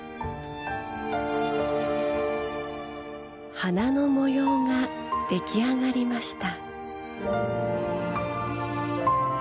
花の模様が出来上がりました。